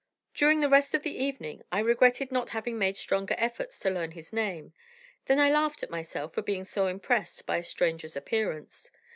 During the rest of the evening I regretted not having made stronger efforts to learn his name; then I laughed at myself for being so impressed by a stranger's appearance.